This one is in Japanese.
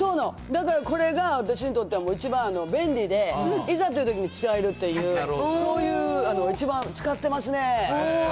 そうなの、私にとっては一番便利でいざというときに使えるという、そういう、一番使ってますね。。